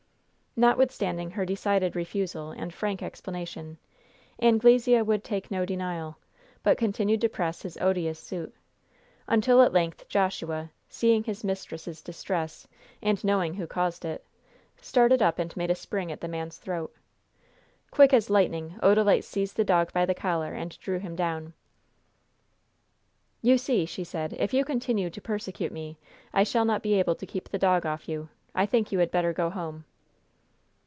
Notwithstanding her decided refusal and frank explanation, Anglesea would take no denial, but continued to press his odious suit, until at length Joshua, seeing his mistress' distress, and knowing who caused it, started up and made a spring at the man's throat. Quick as lightning Odalite seized the dog by the collar and drew him down. "You see," she said, "if you continue to persecute me, I shall not be able to keep the dog off you. I think you had better go home."